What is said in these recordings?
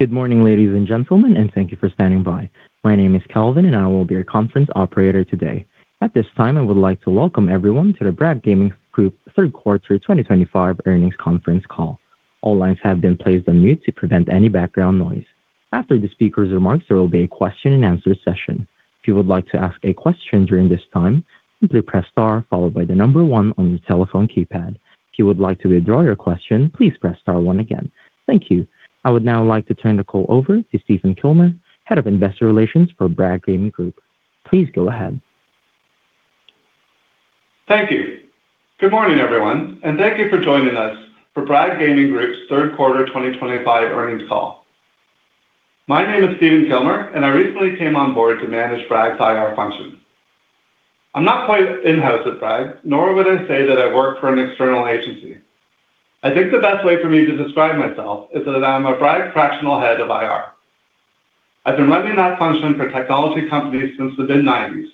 Good morning, ladies and gentlemen, and thank you for standing by. My name is Calvin, and I will be your conference operator today. At this time, I would like to welcome everyone to the Bragg Gaming Group Third Quarter 2025 earnings conference call. All lines have been placed on mute to prevent any background noise. After the speaker's remarks, there will be a question-and-answer session. If you would like to ask a question during this time, simply press star followed by the number one on your telephone keypad. If you would like to withdraw your question, please press star one again. Thank you. I would now like to turn the call over to Stephen Kilmer, Head of Investor Relations for Bragg Gaming Group. Please go ahead. Thank you. Good morning, everyone, and thank you for joining us for Bragg Gaming Group's Third Quarter 2025 earnings call. My name is Stephen Kilmer, and I recently came on board to manage Bragg's IR function. I'm not quite in-house at Bragg, nor would I say that I work for an external agency. I think the best way for me to describe myself is that I'm a Bragg fractional Head of IR. I've been running that function for technology companies since the mid-1990s.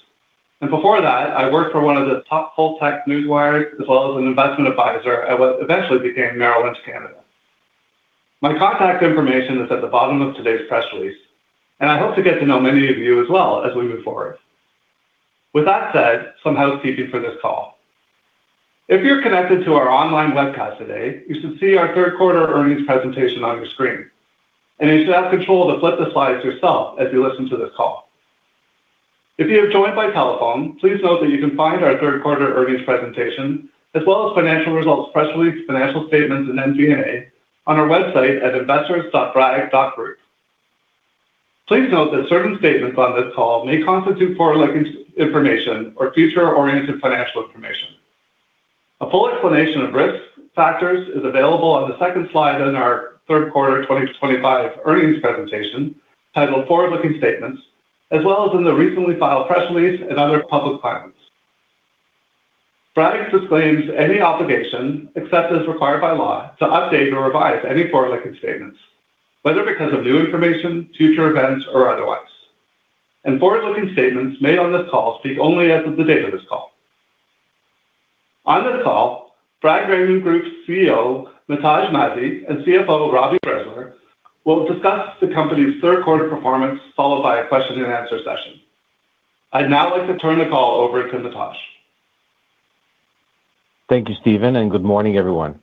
Before that, I worked for one of the top full-tech newswires as well as an investment advisor at what eventually became Merrill Lynch Canada. My contact information is at the bottom of today's press release, and I hope to get to know many of you as well as we move forward. With that said, some housekeeping for this call. If you're connected to our online webcast today, you should see our third quarter earnings presentation on your screen, and you should have control to flip the slides yourself as you listen to this call. If you have joined by telephone, please note that you can find our third quarter earnings presentation as well as financial results, press release, financial statements, and MVA on our website at investors.bragg.group. Please note that certain statements on this call may constitute forward-looking information or future-oriented financial information. A full explanation of risk factors is available on the second slide in our third quarter 2025 earnings presentation titled "Forward-Looking Statements," as well as in the recently filed press release and other public comments. Bragg disclaims any obligation, except as required by law, to update or revise any forward-looking statements, whether because of new information, future events, or otherwise. Forward-looking statements made on this call speak only as of the date of this call. On this call, Bragg Gaming Group's CEO, Matevž Mazij, and CFO, Robbie Bressler, will discuss the company's third quarter performance followed by a question-and-answer session. I'd now like to turn the call over to Matevž. Thank you, Stephen, and good morning, everyone.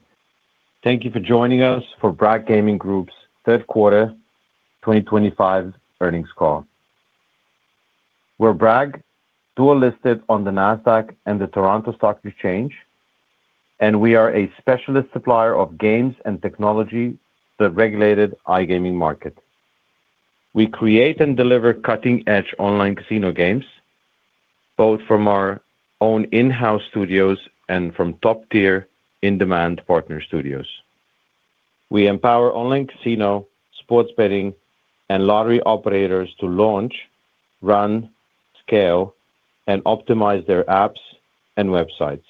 Thank you for joining us for Bragg Gaming Group's third quarter 2025 earnings call. We're Bragg, dual-listed on the NASDAQ and the Toronto Stock Exchange, and we are a specialist supplier of games and technology to the regulated iGaming market. We create and deliver cutting-edge online casino games, both from our own in-house studios and from top-tier in-demand partner studios. We empower online casino, sports betting, and lottery operators to launch, run, scale, and optimize their apps and websites.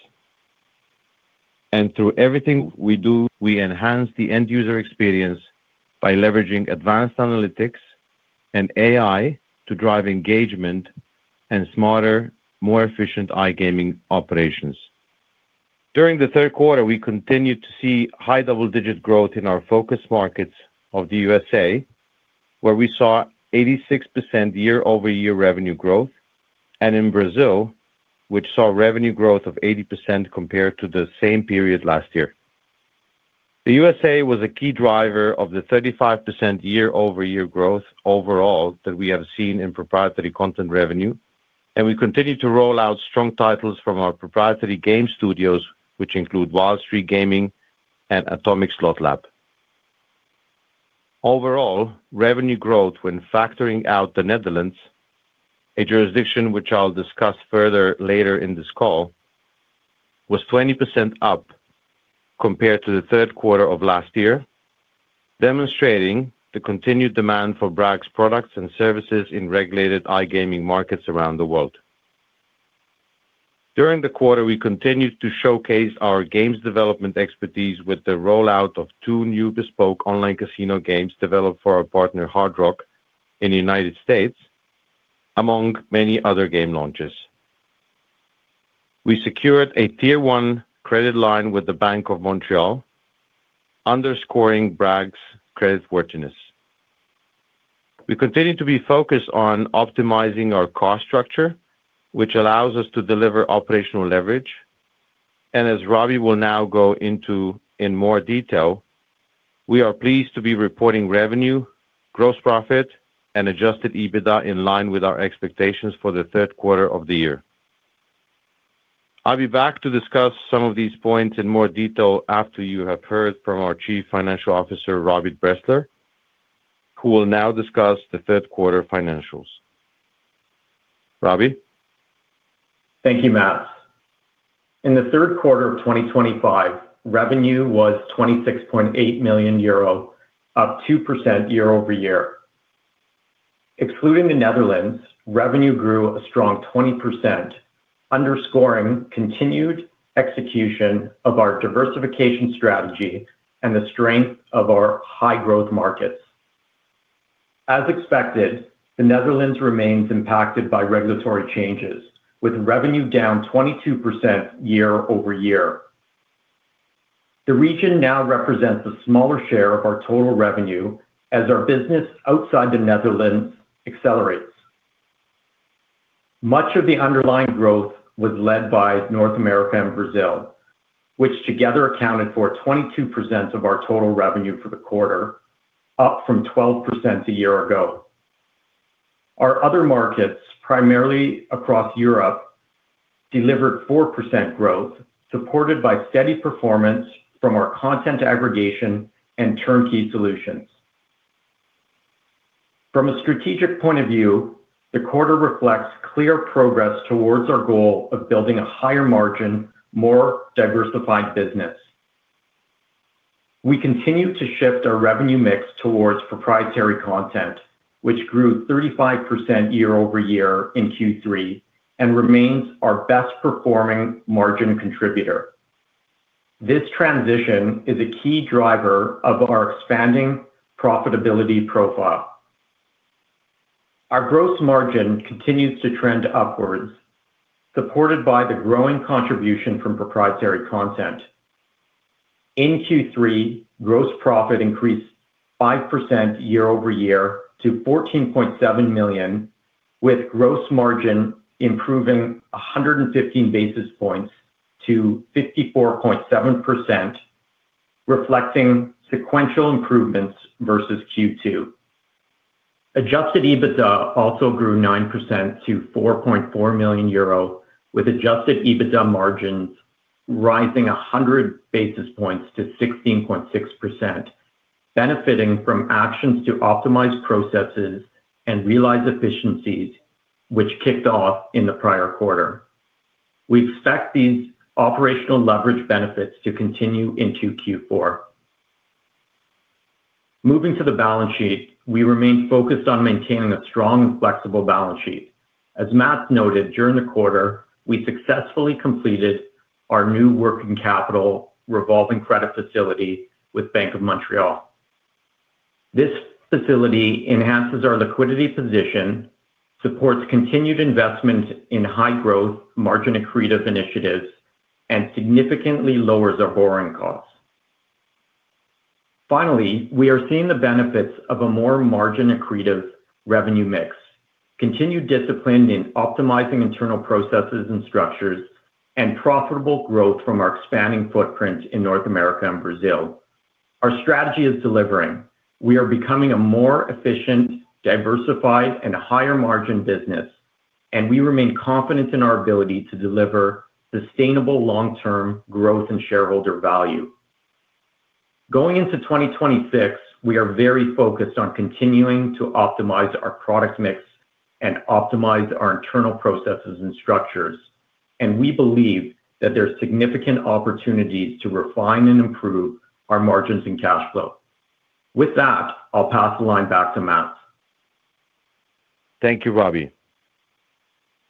Through everything we do, we enhance the end-user experience by leveraging advanced analytics and AI to drive engagement and smarter, more efficient iGaming operations. During the third quarter, we continued to see high double-digit growth in our focus markets of the U.S.A., where we saw 86% year-over-year revenue growth, and in Brazil, which saw revenue growth of 80% compared to the same period last year. The U.S.A. was a key driver of the 35% year-over-year growth overall that we have seen in proprietary content revenue, and we continue to roll out strong titles from our proprietary game studios, which include Wild Streak Gaming and Atomic Slot Lab. Overall, revenue growth, when factoring out the Netherlands, a jurisdiction which I'll discuss further later in this call, was 20% up compared to the third quarter of last year, demonstrating the continued demand for Bragg's products and services in regulated iGaming markets around the world. During the quarter, we continued to showcase our games development expertise with the rollout of two new bespoke online casino games developed for our partner Hard Rock in the United States, among many other game launches. We secured a tier-one credit line with the Bank of Montreal, underscoring Bragg's credit worthiness. We continue to be focused on optimizing our cost structure, which allows us to deliver operational leverage. As Robbie will now go into in more detail, we are pleased to be reporting revenue, gross profit, and adjusted EBITDA in line with our expectations for the third quarter of the year. I'll be back to discuss some of these points in more detail after you have heard from our Chief Financial Officer, Robbie Bressler, who will now discuss the third quarter financials. Robbie? Thank you, Mat. In the third quarter of 2025, revenue was 26.8 million euro, up 2% year-over-year. Excluding the Netherlands, revenue grew a strong 20%, underscoring continued execution of our diversification strategy and the strength of our high-growth markets. As expected, the Netherlands remains impacted by regulatory changes, with revenue down 22% year-over-year. The region now represents a smaller share of our total revenue as our business outside the Netherlands accelerates. Much of the underlying growth was led by North America and Brazil, which together accounted for 22% of our total revenue for the quarter, up from 12% a year ago. Our other markets, primarily across Europe, delivered 4% growth, supported by steady performance from our content aggregation and turnkey solutions. From a strategic point of view, the quarter reflects clear progress towards our goal of building a higher-margin, more diversified business. We continue to shift our revenue mix towards proprietary content, which grew 35% year-over-year in Q3 and remains our best-performing margin contributor. This transition is a key driver of our expanding profitability profile. Our gross margin continues to trend upwards, supported by the growing contribution from proprietary content. In Q3, gross profit increased 5% year-over-year to 14.7 million, with gross margin improving 115 basis points to 54.7%, reflecting sequential improvements versus Q2. Adjusted EBITDA also grew 9% to 4.4 million euro, with adjusted EBITDA margins rising 100 basis points to 16.6%, benefiting from actions to optimize processes and realize efficiencies, which kicked off in the prior quarter. We expect these operational leverage benefits to continue into Q4. Moving to the balance sheet, we remain focused on maintaining a strong and flexible balance sheet. As Mat noted, during the quarter, we successfully completed our new working capital revolving credit facility with Bank of Montreal. This facility enhances our liquidity position, supports continued investment in high-growth margin accretive initiatives, and significantly lowers our borrowing costs. Finally, we are seeing the benefits of a more margin-accretive revenue mix, continued discipline in optimizing internal processes and structures, and profitable growth from our expanding footprint in North America and Brazil. Our strategy is delivering. We are becoming a more efficient, diversified, and higher-margin business, and we remain confident in our ability to deliver sustainable long-term growth and shareholder value. Going into 2026, we are very focused on continuing to optimize our product mix and optimize our internal processes and structures, and we believe that there are significant opportunities to refine and improve our margins and cash flow. With that, I'll pass the line back to Mat. Thank you, Robbie.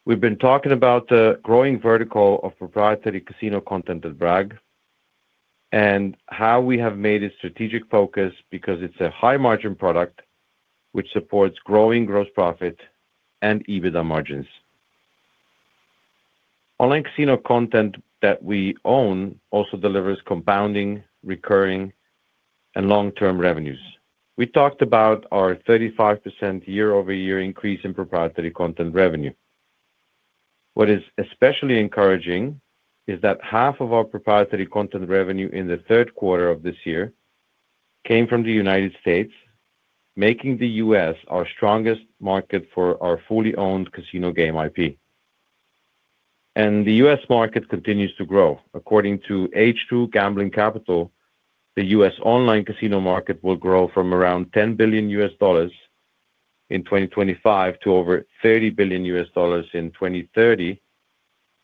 We have been talking about the growing vertical of proprietary casino content at Bragg and how we have made a strategic focus because it is a high-margin product which supports growing gross profit and EBITDA margins. Online casino content that we own also delivers compounding, recurring, and long-term revenues. We talked about our 35% year-over-year increase in proprietary content revenue. What is especially encouraging is that half of our proprietary content revenue in the third quarter of this year came from the United States, making the U.S. our strongest market for our fully-owned casino game IP. The U.S. market continues to grow. According to H2 Gambling Capital, the U.S. online casino market will grow from around $10 billion in 2025 to over $30 billion in 2030,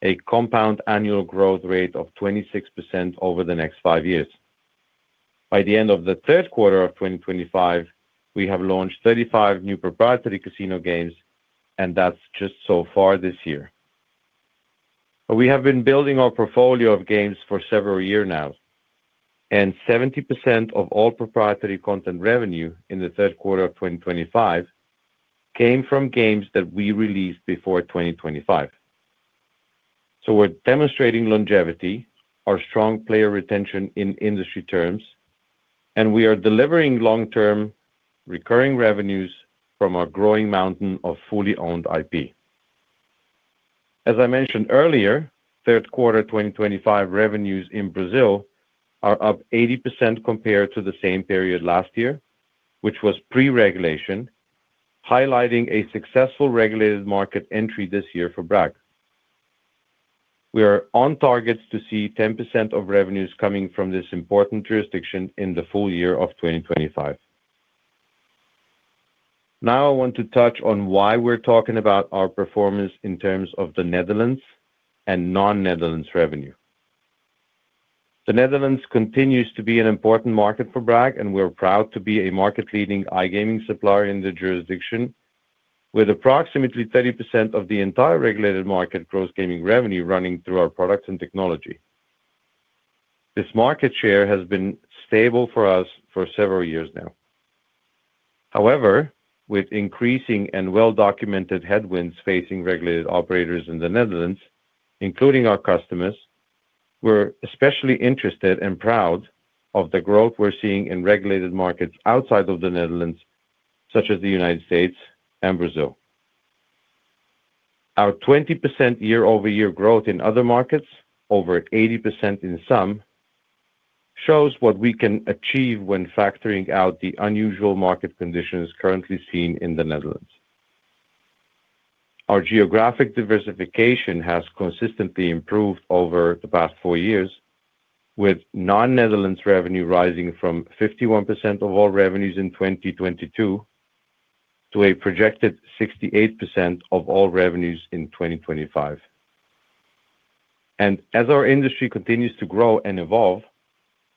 a compound annual growth rate of 26% over the next five years. By the end of the third quarter of 2025, we have launched 35 new proprietary casino games, and that's just so far this year. We have been building our portfolio of games for several years now, and 70% of all proprietary content revenue in the third quarter of 2025 came from games that we released before 2025. We are demonstrating longevity, our strong player retention in industry terms, and we are delivering long-term recurring revenues from our growing mountain of fully-owned IP. As I mentioned earlier, third quarter 2025 revenues in Brazil are up 80% compared to the same period last year, which was pre-regulation, highlighting a successful regulated market entry this year for Bragg. We are on target to see 10% of revenues coming from this important jurisdiction in the full year of 2025. Now I want to touch on why we're talking about our performance in terms of the Netherlands and non-Netherlands revenue. The Netherlands continues to be an important market for Bragg, and we're proud to be a market-leading iGaming supplier in the jurisdiction, with approximately 30% of the entire regulated market gross gaming revenue running through our products and technology. This market share has been stable for us for several years now. However, with increasing and well-documented headwinds facing regulated operators in the Netherlands, including our customers, we're especially interested and proud of the growth we're seeing in regulated markets outside of the Netherlands, such as the United States and Brazil. Our 20% year-over-year growth in other markets, over 80% in sum, shows what we can achieve when factoring out the unusual market conditions currently seen in the Netherlands. Our geographic diversification has consistently improved over the past four years, with non-Netherlands revenue rising from 51% of all revenues in 2022 to a projected 68% of all revenues in 2025. As our industry continues to grow and evolve,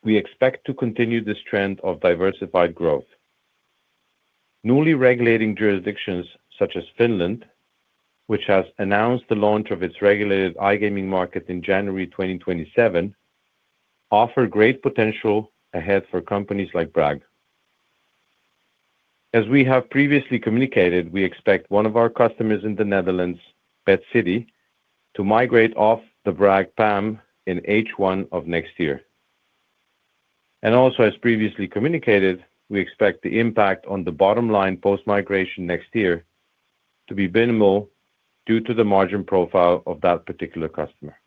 we expect to continue this trend of diversified growth. Newly regulating jurisdictions such as Finland, which has announced the launch of its regulated iGaming market in January 2027, offer great potential ahead for companies like Bragg. As we have previously communicated, we expect one of our customers in the Netherlands, BetCity, to migrate off the Bragg PAM in H1 of next year. As previously communicated, we expect the impact on the bottom line post-migration next year to be minimal due to the margin profile of that particular customer.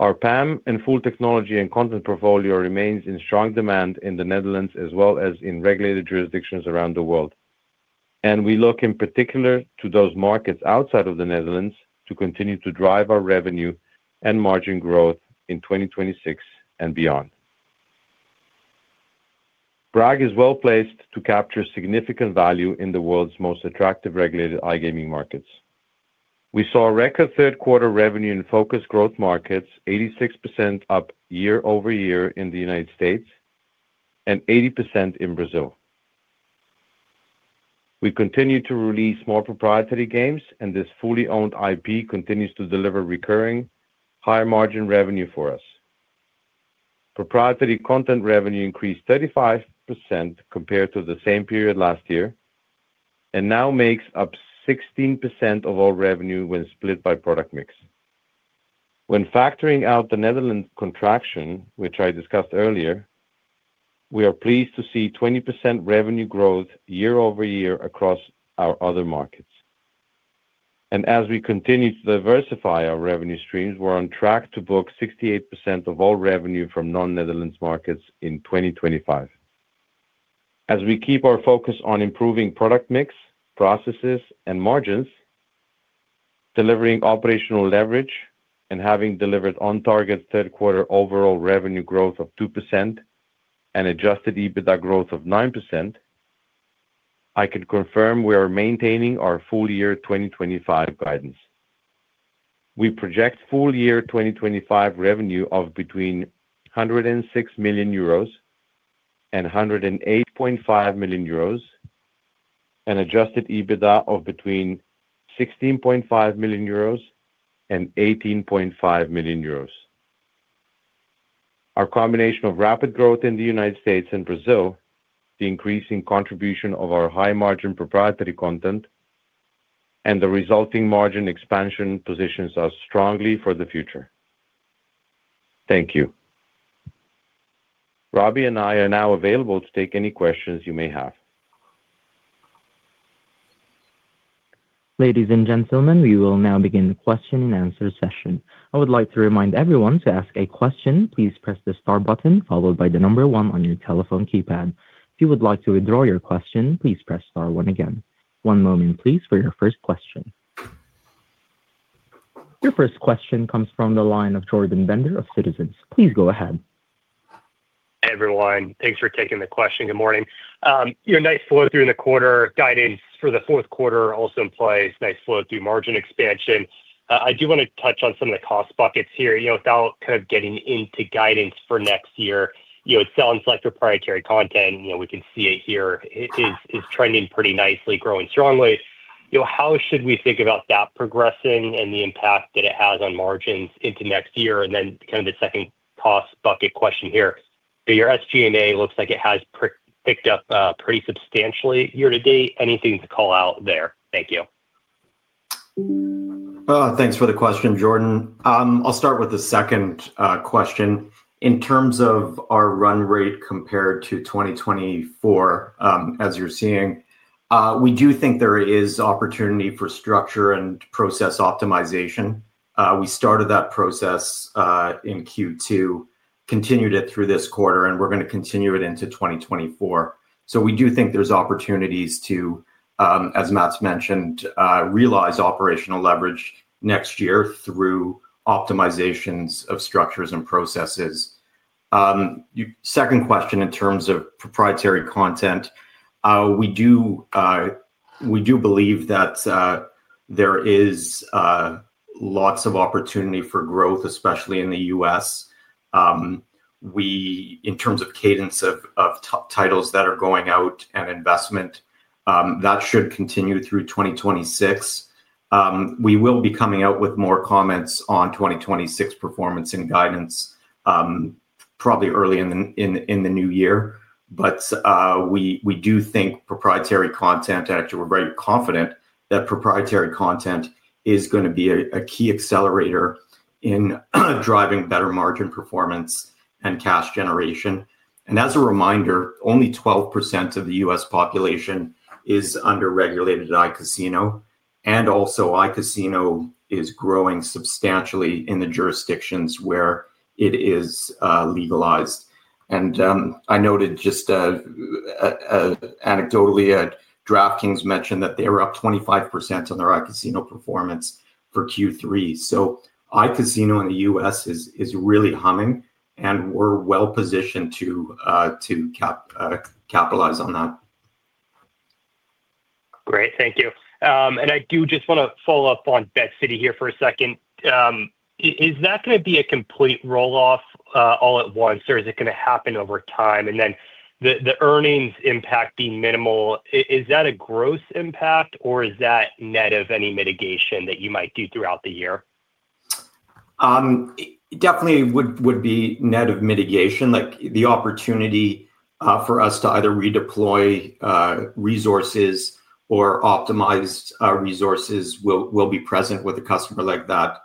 Our PAM and full technology and content portfolio remains in strong demand in the Netherlands as well as in regulated jurisdictions around the world, and we look in particular to those markets outside of the Netherlands to continue to drive our revenue and margin growth in 2026 and beyond. Bragg is well placed to capture significant value in the world's most attractive regulated iGaming markets. We saw record third quarter revenue in focused growth markets, 86% up year-over-year in the United States and 80% in Brazil. We continue to release more proprietary games, and this fully-owned IP continues to deliver recurring, higher-margin revenue for us. Proprietary content revenue increased 35% compared to the same period last year and now makes up 16% of all revenue when split by product mix. When factoring out the Netherlands contraction, which I discussed earlier, we are pleased to see 20% revenue growth year-over-year across our other markets. As we continue to diversify our revenue streams, we are on track to book 68% of all revenue from non-Netherlands markets in 2025. As we keep our focus on improving product mix, processes, and margins, delivering operational leverage, and having delivered on-target third quarter overall revenue growth of 2% and adjusted EBITDA growth of 9%, I can confirm we are maintaining our full year 2025 guidance. We project full year 2025 revenue of between 106 million euros and 108.5 million euros, and adjusted EBITDA of between 16.5 million euros and 18.5 million euros. Our combination of rapid growth in the United States and Brazil, the increasing contribution of our high-margin proprietary content, and the resulting margin expansion positions us strongly for the future. Thank you. Robbie and I are now available to take any questions you may have. Ladies and gentlemen, we will now begin the question and answer session. I would like to remind everyone to ask a question, please press the star button followed by the number one on your telephone keypad. If you would like to withdraw your question, please press star one again. One moment, please, for your first question. Your first question comes from the line of Jordan Bender of Citizens. Please go ahead. Hey, everyone. Thanks for taking the question. Good morning. Nice flow through in the quarter. Guidance for the fourth quarter also in place. Nice flow through margin expansion. I do want to touch on some of the cost buckets here. Without kind of getting into guidance for next year, it sounds like proprietary content, we can see it here, is trending pretty nicely, growing strongly. How should we think about that progressing and the impact that it has on margins into next year? Then kind of the second cost bucket question here. Your SG&A looks like it has picked up pretty substantially year to date. Anything to call out there? Thank you. Thanks for the question, Jordan. I'll start with the second question. In terms of our run rate compared to 2024, as you're seeing, we do think there is opportunity for structure and process optimization. We started that process in Q2, continued it through this quarter, and we're going to continue it into 2024. We do think there's opportunities to, as Mat mentioned, realize operational leverage next year through optimizations of structures and processes. Second question in terms of proprietary content, we do believe that there is lots of opportunity for growth, especially in the U.S. In terms of cadence of titles that are going out and investment, that should continue through 2026. We will be coming out with more comments on 2026 performance and guidance probably early in the new year. We do think proprietary content, and actually, we're very confident that proprietary content is going to be a key accelerator in driving better margin performance and cash generation. As a reminder, only 12% of the U.S. population is under regulated iCasino. Also, iCasino is growing substantially in the jurisdictions where it is legalized. I noted just anecdotally, DraftKings mentioned that they were up 25% on their iCasino performance for Q3. iCasino in the U.S. is really humming, and we're well positioned to capitalize on that. Great. Thank you. I do just want to follow up on BetCity here for a second. Is that going to be a complete rolloff all at once, or is it going to happen over time? The earnings impact being minimal, is that a gross impact, or is that net of any mitigation that you might do throughout the year? Definitely would be net of mitigation. The opportunity for us to either redeploy resources or optimize resources will be present with a customer like that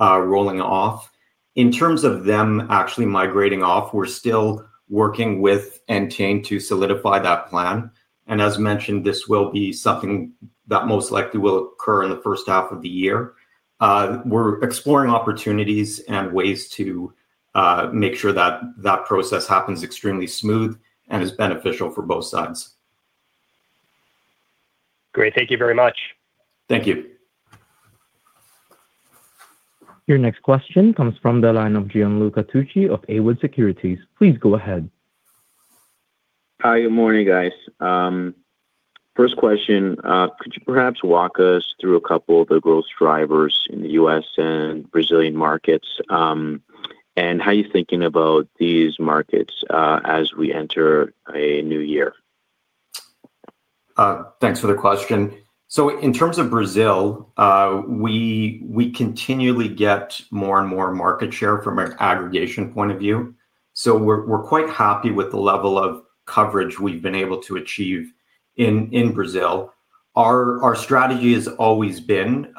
rolling off. In terms of them actually migrating off, we're still working with Entain to solidify that plan. As mentioned, this will be something that most likely will occur in the first half of the year. We're exploring opportunities and ways to make sure that that process happens extremely smooth and is beneficial for both sides. Great. Thank you very much. Thank you. Your next question comes from the line of Gianluca Tucci of Haywood Securities. Please go ahead. Hi. Good morning, guys. First question, could you perhaps walk us through a couple of the growth drivers in the U.S. and Brazilian markets, and how you're thinking about these markets as we enter a new year? Thanks for the question. In terms of Brazil, we continually get more and more market share from an aggregation point of view. We're quite happy with the level of coverage we've been able to achieve in Brazil. Our strategy has always been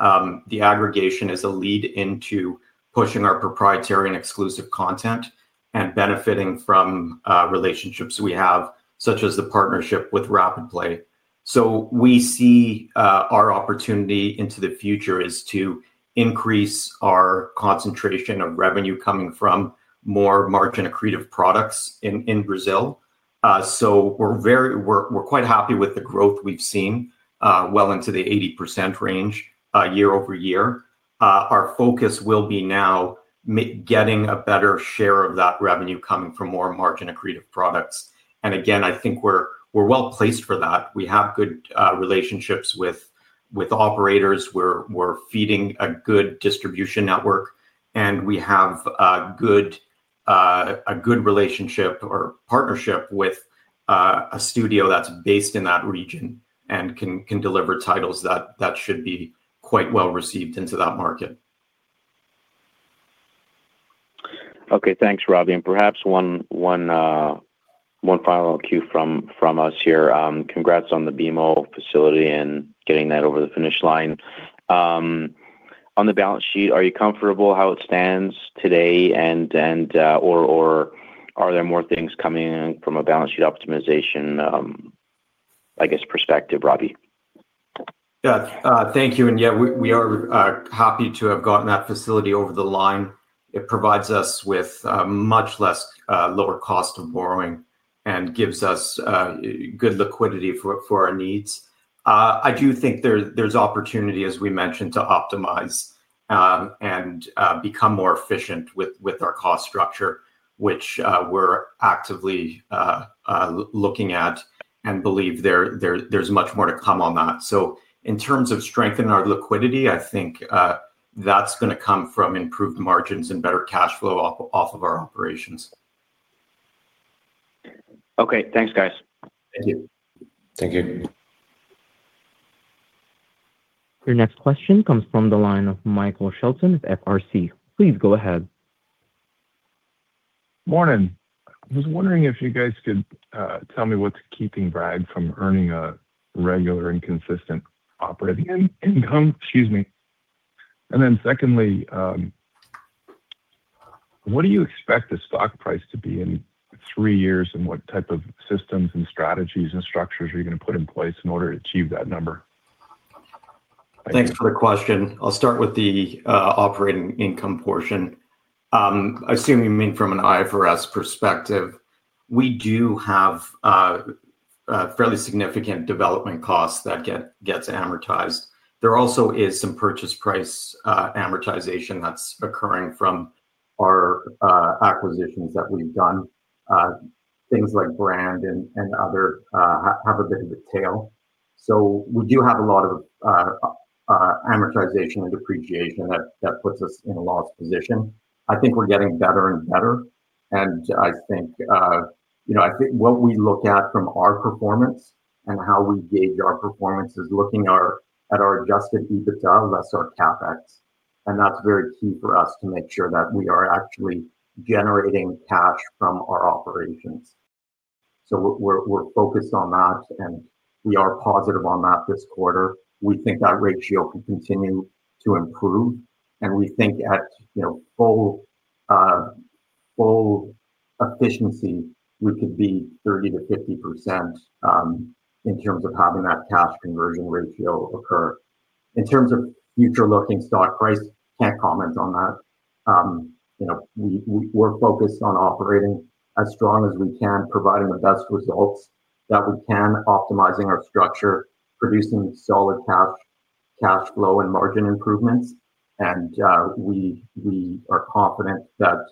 the aggregation as a lead into pushing our proprietary and exclusive content and benefiting from relationships we have, such as the partnership with RapidPlay. We see our opportunity into the future is to increase our concentration of revenue coming from more margin-accretive products in Brazil. We're quite happy with the growth we've seen well into the 80% range year-over-year. Our focus will be now getting a better share of that revenue coming from more margin-accretive products. I think we're well placed for that. We have good relationships with operators. We're feeding a good distribution network, and we have a good relationship or partnership with a studio that's based in that region and can deliver titles that should be quite well received into that market. Okay. Thanks, Robbie. Perhaps one final Q from us here. Congrats on the BMO facility and getting that over the finish line. On the balance sheet, are you comfortable how it stands today, or are there more things coming from a balance sheet optimization, I guess, perspective, Robbie? Yeah. Thank you. Yeah, we are happy to have gotten that facility over the line. It provides us with much lower cost of borrowing and gives us good liquidity for our needs. I do think there's opportunity, as we mentioned, to optimize and become more efficient with our cost structure, which we're actively looking at and believe there's much more to come on that. In terms of strengthening our liquidity, I think that's going to come from improved margins and better cash flow off of our operations. Okay. Thanks, guys. Thank you. Thank you. Your next question comes from the line of Michael Shelton of FRC. Please go ahead. Morning. I was wondering if you guys could tell me what's keeping Bragg from earning a regular and consistent operating income. Excuse me. Then secondly, what do you expect the stock price to be in three years, and what type of systems and strategies and structures are you going to put in place in order to achieve that number? Thanks for the question. I'll start with the operating income portion. I assume you mean from an IFRS perspective. We do have fairly significant development costs that get amortized. There also is some purchase price amortization that's occurring from our acquisitions that we've done. Things like brand and other have a bit of a tail. We do have a lot of amortization and depreciation that puts us in a loss position. I think we're getting better and better. I think what we look at from our performance and how we gauge our performance is looking at our adjusted EBITDA, less our CapEx. That's very key for us to make sure that we are actually generating cash from our operations. We're focused on that, and we are positive on that this quarter. We think that ratio can continue to improve. We think at full efficiency, we could be 30%-50% in terms of having that cash conversion ratio occur. In terms of future-looking stock price, can't comment on that. We're focused on operating as strong as we can, providing the best results that we can, optimizing our structure, producing solid cash flow and margin improvements. We are confident that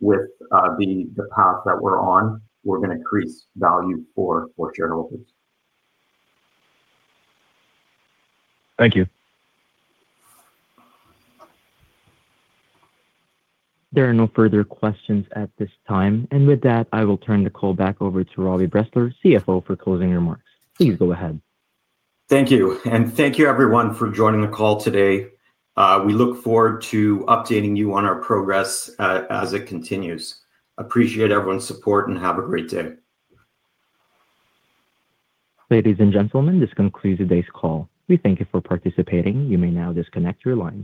with the path that we're on, we're going to increase value for shareholders. Thank you. There are no further questions at this time. With that, I will turn the call back over to Robbie Bressler, CFO, for closing remarks. Please go ahead. Thank you. Thank you, everyone, for joining the call today. We look forward to updating you on our progress as it continues. Appreciate everyone's support and have a great day. Ladies and gentlemen, this concludes today's call. We thank you for participating. You may now disconnect your line.